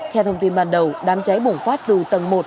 theo thông tin ban đầu đám cháy bùng phát từ tầng một